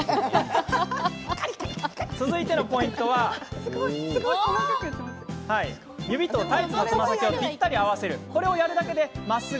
続いてのポイントは指とタイツのつま先をぴったり合わせることです。